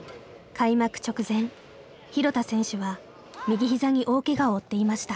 開幕直前廣田選手は右ひざに大けがを負っていました。